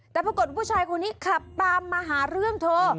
แต่ปรากฏว่าผู้ชายคนนี้ขับตามมาหาเรื่องเธอ